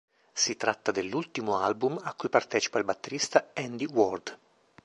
Si tratta dell'ultimo album a cui partecipa il batterista Andy Ward.